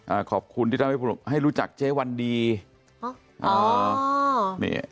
อ่าขอบคุณที่ทำให้รู้จักเจ๊วันดีอ๋อนี่